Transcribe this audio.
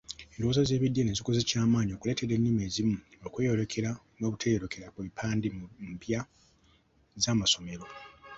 Endowooza z'ebyeddiini zikoze ky'amaanyi okuleetera ennimi ezimu okweyolekera n'obuteeyolekera ku bipande mu mpya z'amasomero.